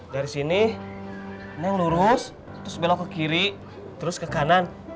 dari sini neng lurus terus belok ke kiri terus ke kanan